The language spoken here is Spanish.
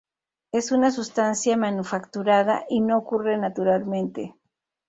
Es una sustancia manufacturada y no ocurre naturalmente.